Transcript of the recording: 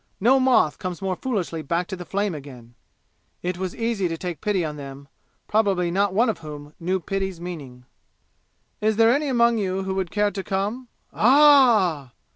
No moth comes more foolishly back to the flame again. It was easy to take pity on them probably not one of whom knew pity's meaning. "Is there any among you who would care to come ?" "Ah h h h!"